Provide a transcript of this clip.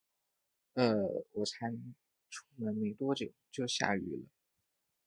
呃，我才出门没多久，就下雨了